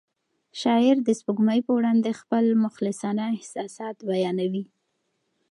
شاعر د سپوږمۍ په وړاندې خپل مخلصانه احساسات بیانوي.